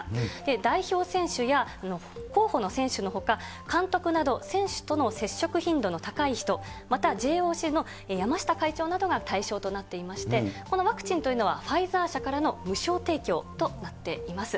代表選手や候補の選手のほか、監督など選手との接触頻度の高い人、またＪＯＣの山下会長などが対象となっていまして、このワクチンというのはファイザー社からの無償提供となっています。